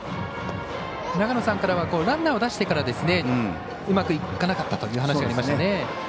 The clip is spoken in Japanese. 長野さんからはランナーを出してからうまくいかなかったという話がありましたよね。